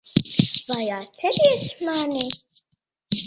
Vai atceries mani?